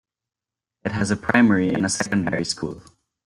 It has a primary and a secondary school.